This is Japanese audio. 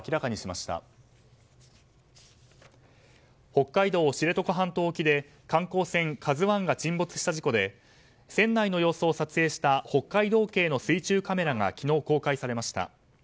北海道知床半島沖で観光船「ＫＡＺＵ１」が沈没した事故で船内の様子を撮影した北海道警の水中カメラが昨日、公開されました。